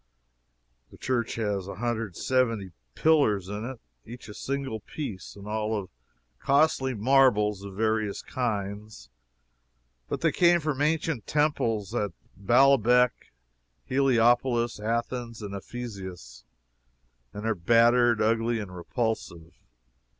The church has a hundred and seventy pillars in it, each a single piece, and all of costly marbles of various kinds, but they came from ancient temples at Baalbec, Heliopolis, Athens and Ephesus, and are battered, ugly and repulsive.